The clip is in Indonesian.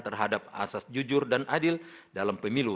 terhadap asas jujur dan adil dalam pemilu